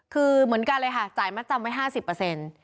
คือเหมือนกันเลยค่ะจ่ายมัดจำไว้ห้าสิบเปอร์เซ็นต์